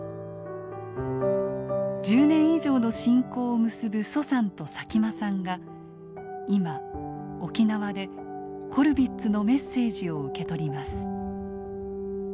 １０年以上の親交を結ぶ徐さんと佐喜眞さんが今沖縄でコルヴィッツのメッセージを受け取ります。